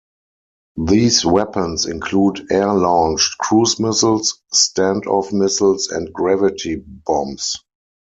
These weapons include air-launched cruise missiles, standoff missiles, and gravity bombs.